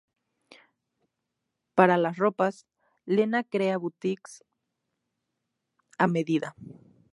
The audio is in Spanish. Para las ropas, Lena crea boutiques a medida.